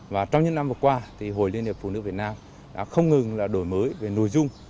và trong những năm vừa qua thì hội liên hiệp phụ nữ việt nam đã không ngừng đổi mới về nội dung